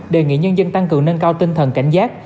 đề nghị nhân dân tăng cường nâng cao tinh thần cảnh giác